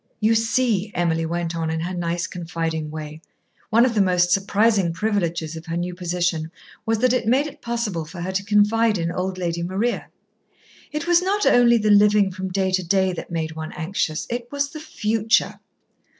"You see," Emily went on in her nice, confiding way (one of the most surprising privileges of her new position was that it made it possible for her to confide in old Lady Maria), "it was not only the living from day to day that made one anxious, it was the Future!"